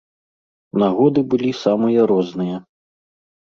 Нагоды былі самыя розныя.